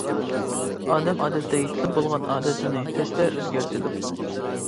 ئادەم ئادەتتە يېتىلىپ بولغان ئادىتىنى تەستە ئۆزگەرتىدۇ.